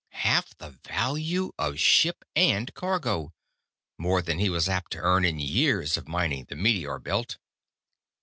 Half the value of ship and cargo! More than he was apt to earn in years of mining the meteor belt.